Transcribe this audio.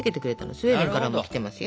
スウェーデンからも来てますよ。